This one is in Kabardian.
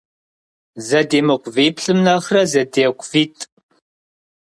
Зэдемыкъу виплӀым нэхърэ, зэдекъу витӀ.